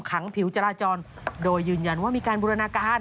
ผิวจราจรโดยยืนยันว่ามีการบูรณาการ